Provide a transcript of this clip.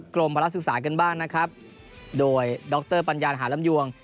กรมพลักษณะศึกษากันบ้างนะครับโดยด็อกเตอร์ปัญญาหาล้ำยวง